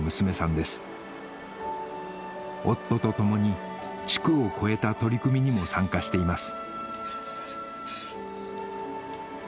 夫と共に地区を超えた取り組みにも参加しています